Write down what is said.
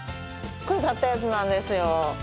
これ買ったやつなんですよ。